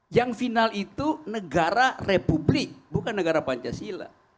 yang final itu negara republik bukan negara pancasila